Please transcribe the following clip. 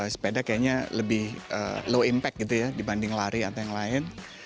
sepeda kayaknya lebih low impact gitu ya dibanding lari atau yang lain